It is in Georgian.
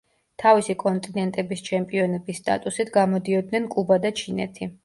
თავისი კონტინენტების ჩემპიონების სტატუსით გამოდიოდნენ კუბა და ჩინეთი.